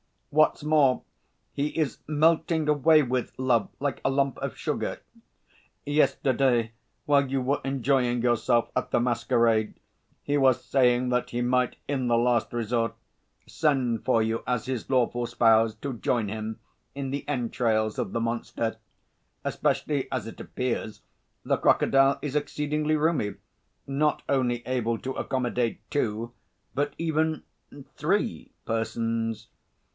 What's more, he is melting away with love like a lump of sugar. Yesterday while you were enjoying yourself at the masquerade, he was saying that he might in the last resort send for you as his lawful spouse to join him in the entrails of the monster, especially as it appears the crocodile is exceedingly roomy, not only able to accommodate two but even three persons...."